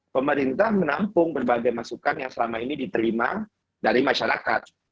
pemerintah menampung berbagai masukan yang selama ini diterima dari masyarakat